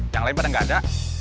yang lain pada nggak ada